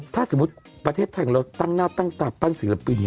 ถ้าสมมุติประเทศไทยเราตั้งหน้าตั้งตาปั้นศิลปิน